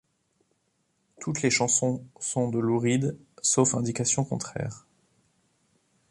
Toutes les chansons sont de Lou Reed, sauf indication contraire.